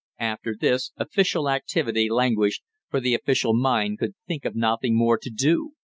After this, official activity languished, for the official mind could think of nothing more to do.